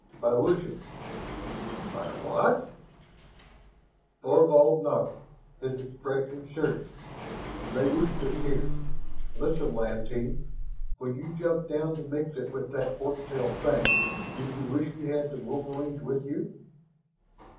"By wishing." "By what?" Thorvald nodded, his expression serious. "They wished us here. Listen, Lantee, when you jumped down to mix it with that fork tailed thing, did you wish you had the wolverines with you?"